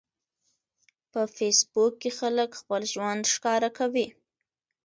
په فېسبوک کې خلک خپل ژوند ښکاره کوي.